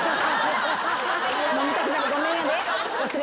飲みたくなるごめんやで。